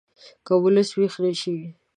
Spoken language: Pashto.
که ولس ویښ نه شي